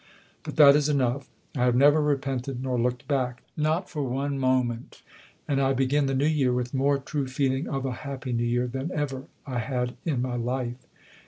But that is enough. I have never repented nor looked back, not for one moment. And I begin the New Year with more true feeling of a happy New Year than ever I had in my life."